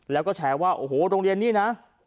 แล้วก็แชร์ว่าโอ้โหโรงเรียนนี่นะ